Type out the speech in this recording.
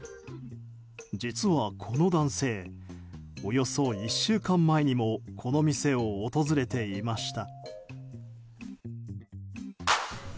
実は、この男性およそ１週間前にもこの店を訪れていました。